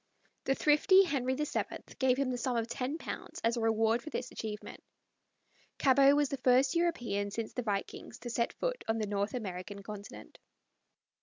The thrifty Henry VII gave him the sum of £10 as a reward for this achievement. Cabot was the first European since the vikings to set foot on the North American continent.